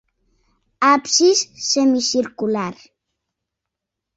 Absis semicircular.